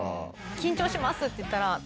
「緊張します」って言ったら。